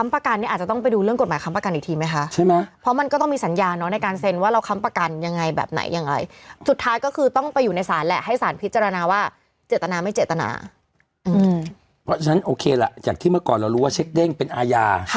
เพราะฉะนั้นโอเคล่ะจากที่เมื่อก่อนเรารู้ว่าเช็คเด้งเป็นอาญา